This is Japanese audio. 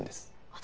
私？